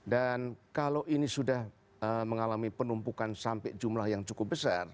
dan kalau ini sudah mengalami penumpukan sampai jumlah yang cukup besar